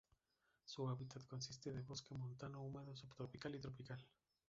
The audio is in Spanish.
Su hábitat consiste de bosque montano húmedo subtropical y tropical.